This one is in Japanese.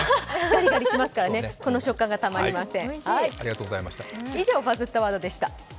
ガリガリしますからね、この食感がたまりません。